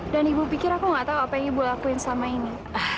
dan ibu pikir aku gak tau apa yang ibu lakuin selama ini